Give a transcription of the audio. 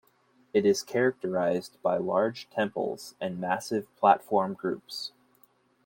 It is characterised by large temples and massive platform groups.